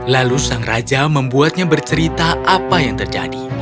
lalu sang raja membuatnya bercerita apa yang terjadi